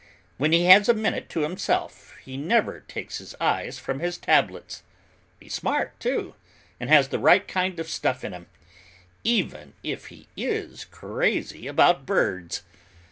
When he has a minute to himself, he never takes his eyes from his tablets; he's smart too, and has the right kind of stuff in him, even if he is crazy about birds.